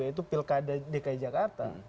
yaitu pilkada dki jakarta